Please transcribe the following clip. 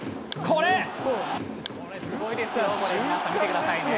これすごいですよ、見てくださいね。